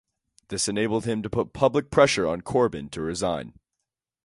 This enabled him to put public pressure on Corbyn to resign.